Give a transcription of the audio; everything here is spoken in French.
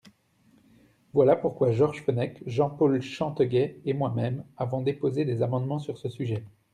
Voilà pourquoi Georges Fenech, Jean-Paul Chanteguet et moi-même avons déposé des amendements sur ce sujet.